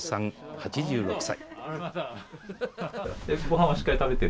８６歳。